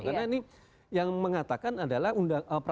karena ini yang mengatakan adalah peraturan daerah gitu ya